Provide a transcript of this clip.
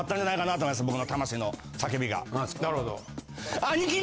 なるほど。